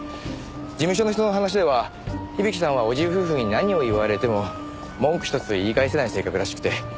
事務所の人の話では響さんは叔父夫婦に何を言われても文句一つ言い返せない性格らしくて。